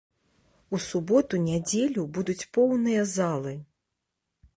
У суботу-нядзелю будуць поўныя залы.